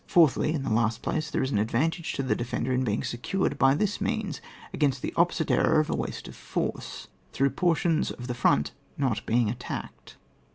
Fourthly, in the last place, there is an advantage to the defender in being secured by this means against the oppo site error of a waste of force, through portions of the front not being attacked 427.